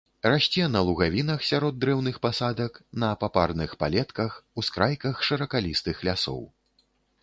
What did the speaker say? Расце на лугавінах сярод дрэўных пасадак, на папарных палетках, ускрайках шыракалістых лясоў.